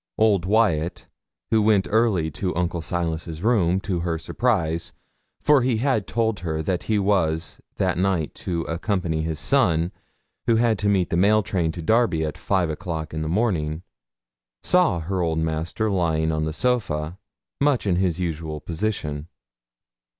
Old Wyat, who went early to Uncle Silas's room, to her surprise for he had told her that he was that night to accompany his son, who had to meet the mailtrain to Derby at five o'clock in the morning saw her old master lying on the sofa, much in his usual position.